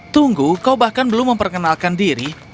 tunggu kau bahkan belum memperkenalkan diri